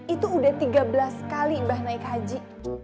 itu udah tiga belas kali mbah naik haji